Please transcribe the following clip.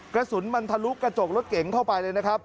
กระสุนมันทะลุกระจกรถเก๋งเข้าไปเลยนะครับ